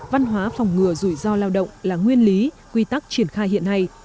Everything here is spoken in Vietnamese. văn hóa phòng ngừa rủi ro lao động là nguyên lý quy tắc triển khai hiện nay